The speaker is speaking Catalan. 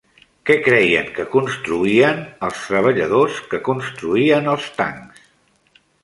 Què creien que construïen els treballadors que construïen els tancs?